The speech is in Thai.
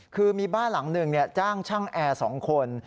คือมีบ้านหลังหนึ่งจ้างช่างแอร์๒คน